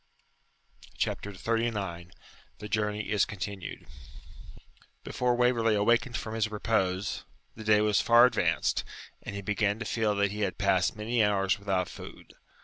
CHAPTER XXXIX THE JOURNEY IS CONTINUED Before Waverley awakened from his repose, the day was far advanced, and he began to feel that he had passed many hours without food.